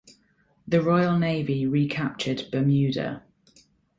The Royal Navy recaptured "Bermuda".